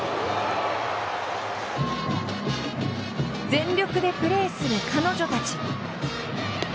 全力でプレーする、彼女たち。